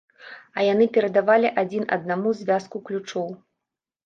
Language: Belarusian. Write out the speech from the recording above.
А яны перадавалі адзін аднаму звязку ключоў.